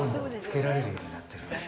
つけられるようになってる。